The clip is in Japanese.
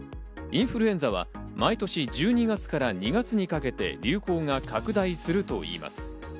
インフルエンザは毎年１２月から２月にかけて流行が拡大するといいます。